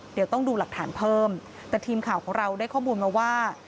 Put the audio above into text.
เดี๋ยวต้องดูหลักฐานเพิ่มแต่ทีมข่าวของเราได้ข้อมูลมาว่า